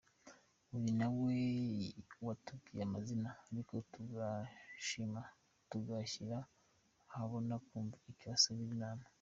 Uyu nawe watubwiye amazina ariko tugashima kutayashyira ahabona umva icyo asabira inama.